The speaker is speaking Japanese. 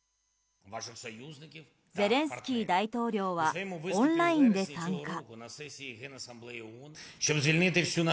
ゼレンスキー大統領はオンラインで参加。